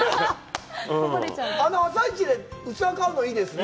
あの朝市で器を買うの、いいですね。